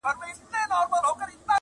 یوه ږغ کړه چي ګوربت ظالم مرغه دی!